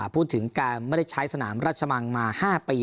พูดถึงการไม่ได้ใช้สนามราชมังมา๕ปี